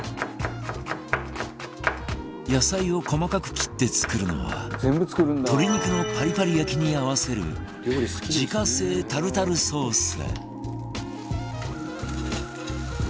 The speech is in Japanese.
野菜を細かく切って作るのは鶏肉のパリパリ焼きに合わせる自家製タルタルソース